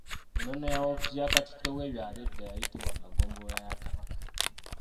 Ennono ya woofiisi ya Katikkiro w’ebyalo edda yayitibwanga Ggombolola ya Kabaka.